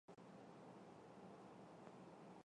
她还设计时装。